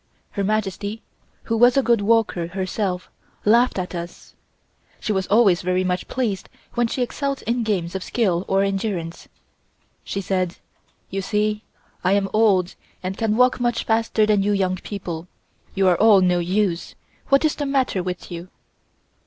Her Majesty, who was a good walker herself, laughed at us. She was always very much pleased when she excelled in games of skill or endurance. She said: "You see I am old, and can walk much faster than you young people. You are all no use. What is the matter with you?"